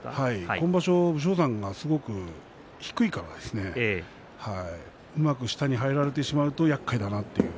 今場所、武将山が低いですからうまく下に入られてしまうとやっかいだなと。